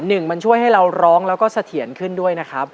หนึ่งมันช่วยให้เราร้องแล้วก็เสถียรขึ้นด้วยนะครับ